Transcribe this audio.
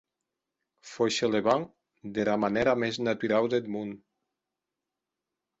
Fauchelevent dera manèra mès naturau deth mon.